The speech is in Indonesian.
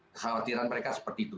khawatiran mereka seperti itu